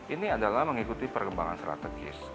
ini adalah mengikuti perkembangan strategis